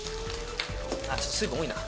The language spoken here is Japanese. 「ちょっと水分多いな」